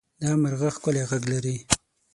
دا مرغه ښکلی غږ لري.